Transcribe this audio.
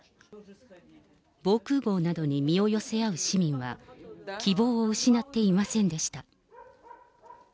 防空ごうなどに身を寄せ合う市民は、希望を失っていませんでした。